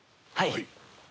はい。